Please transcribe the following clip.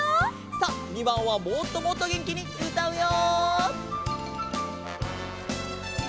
さあ２ばんはもっともっとげんきにうたうよ！